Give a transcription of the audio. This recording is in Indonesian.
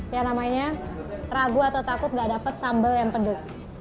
yang namanya ragu atau takut nggak dapet sambal yang pedas